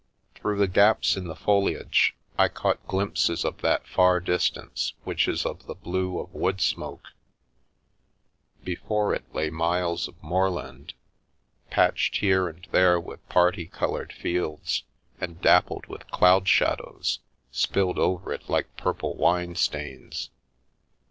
Through the gaps in the foliage, I caught glimpses of that far distance which is of the blue of wood smoke — before it lay miles of moorland, patched here and there with parti coloured fields, and dappled with cloud shad ows, spilled over it like purple wine stains.